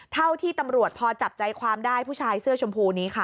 เท่าที่ตำรวจพอจับใจความได้ผู้ชายเสื้อชมพูนี้ค่ะ